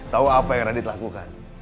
tahu apa yang radit lakukan